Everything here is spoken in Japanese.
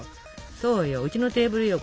そうようちのテーブルよ